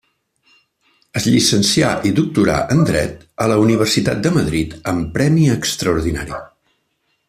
Es llicencià i doctorà en dret a la Universitat de Madrid amb premi extraordinari.